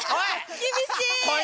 厳しい！